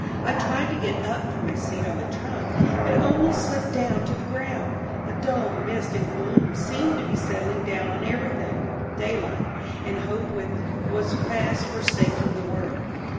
I tried to get up from my seat on the trunk, but only slipped down to the ground. A dull mist and gloom seemed to be settling down on everything; daylight, and hope with it, was fast forsaking the world.